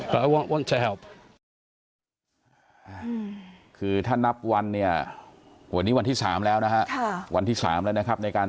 ไม่ว่าเราจะได้เห็นเจอเรื่องนั้น